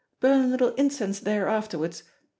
Burn a little incense there afterwards.